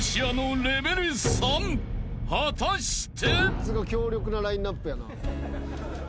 ［果たして？］